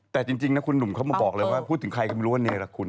แต่จริงนะคุณหนุ่มเขาอะเลยว่าพูดถึงใครกำลังบอกว่าเนรคคุณ